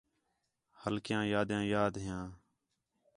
ہلکیاں یادیاں یاد ھیان